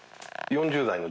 ４０代の？